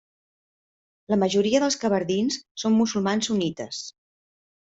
La majoria dels kabardins són musulmans sunnites.